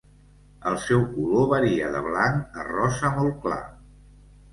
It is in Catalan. El seu color varia de blanc a rosa molt clar.